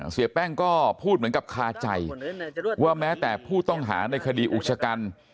เสียแป้งก็พูดเหมือนกับคาใจว่าแม้แต่ผู้ต้องหาในคดีอุกชกัน